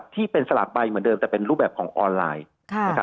ที่เป็นสลากใบเหมือนเดิมแต่เป็นรูปแบบของออนไลน์